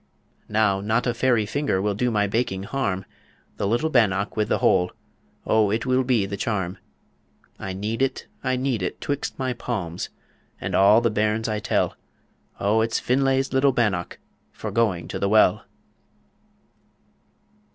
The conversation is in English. Now, not a fairy finger Will do my baking harm The little bannock with the hole, O it will be the charm. I knead it, I knead it, 'twixt my palms, And all the bairns I tell O it's Finlay's little bannock For going to the well.